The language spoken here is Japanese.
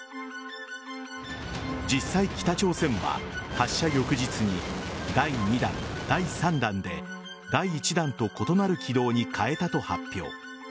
実際、北朝鮮は発射翌日に第２段、第３段で第１段と異なる軌道に変えたと発表。